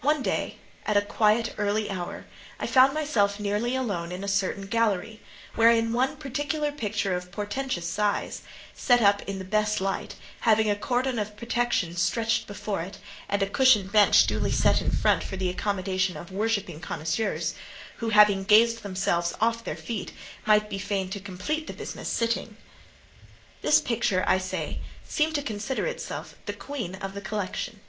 One day, at a quiet early hour, I found myself nearly alone in a certain gallery, wherein one particular picture of portentous size, set up in the best light, having a cordon of protection stretched before it, and a cushioned bench duly set in front for the accommodation of worshipping connoisseurs, who, having gazed themselves off their feet, might be fain to complete the business sitting: this picture, I say, seemed to consider itself the queen of the collection.